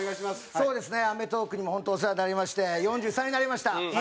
そうですね『アメトーーク』にも本当、お世話になりまして４３になりました。